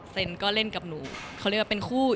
นก็เล่นกับหนูเขาเรียกว่าเป็นคู่